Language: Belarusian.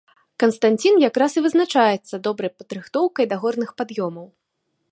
Канстанцін якраз і вызначаецца добрай падрыхтоўкай да горных пад'ёмаў.